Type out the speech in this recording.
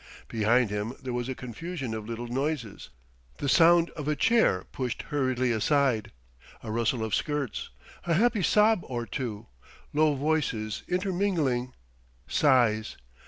Behind him there was a confusion of little noises; the sound of a chair pushed hurriedly aside, a rustle of skirts, a happy sob or two, low voices intermingling; sighs....